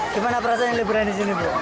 gimana perasaan liburan disini bu